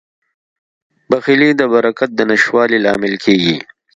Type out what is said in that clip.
بخیلي د برکت د نشتوالي لامل کیږي.